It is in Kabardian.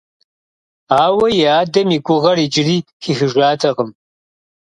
Ауэ и адэм и гугъэр иджыри хихыжатэкъым.